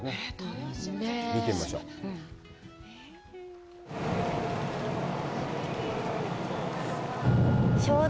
見てみましょう。